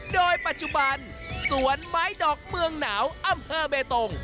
โดยปัจจุบันสวนไม้ดอกเมืองหนาวอำเภอเบตง